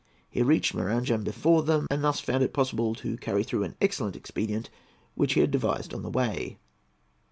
He reached Maranham before them, and thus found it possible to carry through an excellent expedient which he had devised on the way.